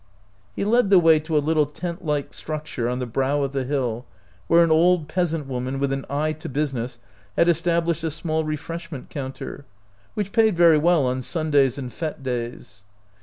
He led the way to a little tent like struc ture on the brow of the hill, where an old peasant woman with an eye to business had established a small refreshment counter, which paid very well on Sundays and fSte days.